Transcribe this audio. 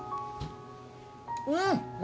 うん！